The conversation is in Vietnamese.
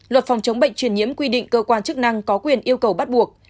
luật phòng chống bệnh truyền nhiễm quy định cơ quan chức năng có quyền yêu cầu bắt buộc